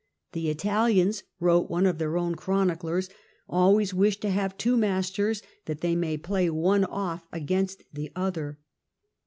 " The Italians," wrote one of their own chroniclers, " always wish to have two masters, that they may play one off against the other."